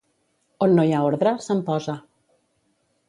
On no hi ha ordre, se'n posa.